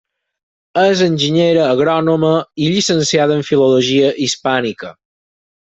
És enginyera agrònoma i llicenciada en Filologia Hispànica.